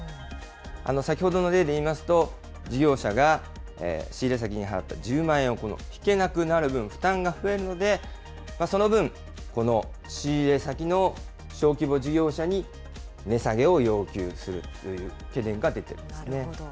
先ほどの例で言いますと、事業者が仕入れ先に払った１０万円を引けなくなる分、負担が増えるので、その分、この仕入れ先の小規模事業者に値下げを要求するという懸念が出ているんですね。